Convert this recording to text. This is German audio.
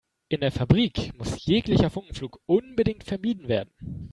In der Fabrik muss jeglicher Funkenflug unbedingt vermieden werden.